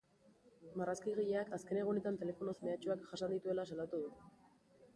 Marrazkigileak azken egunetan telefonoz mehatxuak jasan dituela salatu du.